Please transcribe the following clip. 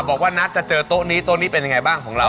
บอกว่านัทจะเจอโต๊ะนี้โต๊ะนี้เป็นยังไงบ้างของเรา